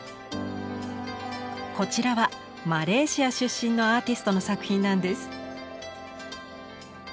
こちらはマレーシア出身のアーティストの作品なんです。